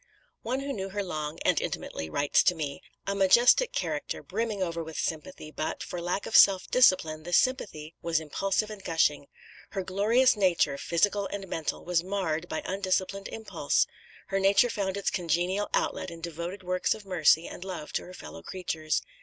One who knew her long and intimately writes to me "A majestic character, brimming over with sympathy, but, for lack of self discipline, this sympathy was impulsive and gushing. Her glorious nature, physical and mental, was marred by undisciplined impulse. Her nature found its congenial outlet in devoted works of mercy and love to her fellow creatures.